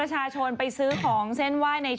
จ่ายไปเยอะแล้ว